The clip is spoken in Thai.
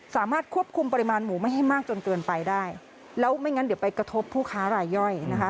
สามารถควบคุมปริมาณหมูไม่ให้มากจนเกินไปได้แล้วไม่งั้นเดี๋ยวไปกระทบผู้ค้ารายย่อยนะคะ